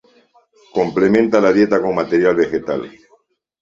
Complementa la dieta con material vegetal.